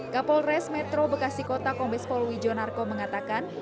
kapolres metro bekasi kota kombes polwijo narko mengatakan